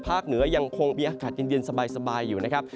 เหนือยังคงมีอากาศเย็นสบายอยู่นะครับ